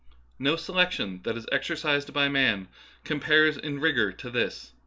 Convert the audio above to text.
No selection that is exercised b}^ man compares in rigour with this.